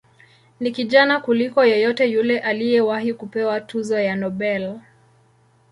Ni kijana kuliko yeyote yule aliyewahi kupewa tuzo ya Nobel.